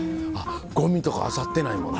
ゴミとかあさってないもんね。